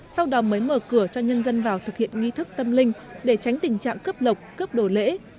sau đó mới mở cửa cho nhân dân vào thực hiện nghi thức tâm linh để tránh tình trạng cướp lộc cướp đồ lễ